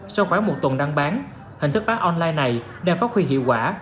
sau khoảng một tuần đăng bán hình thức bán online này đang phát huy hiệu quả